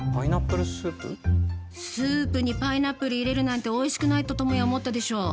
スープにパイナップル入れるなんておいしくないとトモヤ思ったでしょう？